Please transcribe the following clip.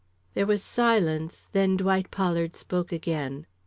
There was a silence, then Dwight Pollard spoke again.